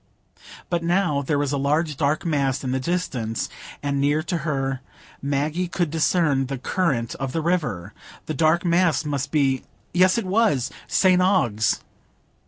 But now there was a large dark mass in the distance, and near to her Maggie could discern the current of the river. The dark mass must be—yes, it was—St Ogg's.